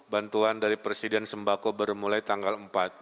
bantuan dari presiden sembako baru mulai tanggal empat